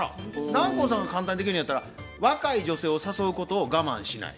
南光さんが簡単にできんのやったら若い女性を誘うことを我慢しない。